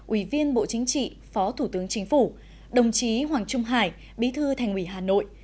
ủy viên bộ chính trị phó thủ tướng chính phủ đồng chí hoàng trung hải bí thư thành ủy hà nội